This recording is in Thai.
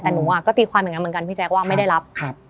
แต่หนูก็ตีความอย่างนั้นเหมือนกันพี่แจ๊คว่าไม่ได้รับ